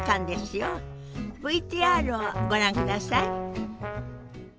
ＶＴＲをご覧ください。